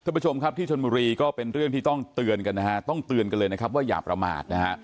คุณผู้ชมครับที่ชนบุรีก็เป็นเรื่องที่ต้องเตือนกันนะฮะต้องเตือนกันเลยนะครับว่าอย่าประมาทนะฮะ